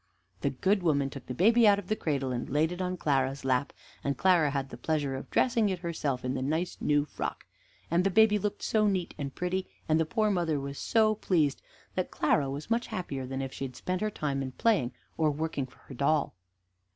The good woman took the baby out of the cradle, and laid it on Clara's lap, and Clara had the pleasure of dressing it herself in the nice new frock; and the baby looked so neat and pretty, and the poor mother was so pleased, that Clara was much happier than if she had spent her time in playing or working for her doll.